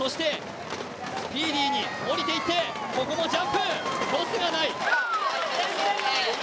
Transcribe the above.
スピーディーにおりていって、ここもジャンプ、ロスがない。